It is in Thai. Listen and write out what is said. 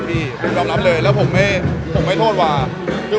ไม่ใช่การปล่อยเงินก็ช่วยมากกว่าที่ไม่ใช่การปล่อยเงิน